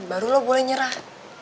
baru lo boleh nyerah